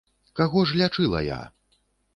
Каго ж лячыла я?